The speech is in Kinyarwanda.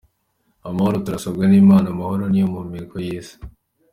Amahoro tuyasabwa n’Imana, amahoro niyo mpumeko y’isi.